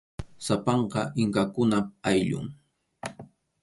Sapanka inkakunap ayllun.